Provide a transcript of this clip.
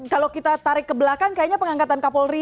kalau kita tarik ke belakang kayaknya pengangkatan kapolri